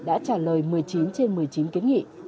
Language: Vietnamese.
đã trả lời một mươi chín trên một mươi chín kiến nghị